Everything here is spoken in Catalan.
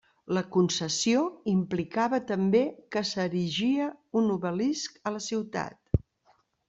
La concessió implicava també que s'erigia un obelisc a la ciutat.